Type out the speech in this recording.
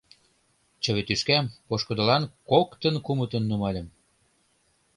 Чыве тӱшкам пошкудылан коктын-кумытын нумальым.